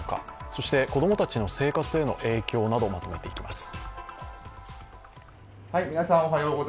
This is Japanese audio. そして子供たちの生活への影響なども見ていきます。